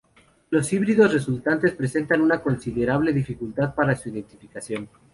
Los híbridos resultantes presentan una considerable dificultad para su identificación.